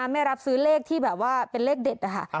ไม่รับซื้อเลขที่แบบว่าเป็นเลขเด็ดนะคะ